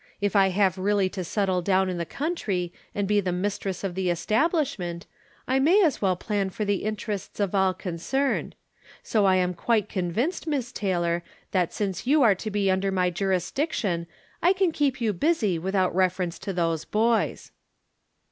If I have really to settle down in the country, and be the mistress of the establishment, I may as well plan for the interests of all con cerned. So I am quite convinced. Miss Taylor, that since you are to be under my jurisdiction I can keep you busy without reference to those boys."